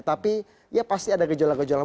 tapi ya pasti ada gejolak gejolak